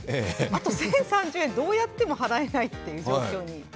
あと１０３０円、どうやっても払えないという状況に。